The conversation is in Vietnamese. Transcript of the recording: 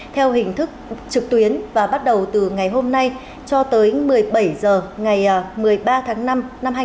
theo hình thức trực tuyến và bắt đầu từ ngày hôm nay cho tới một mươi bảy h ngày một mươi ba tháng năm năm hai nghìn hai mươi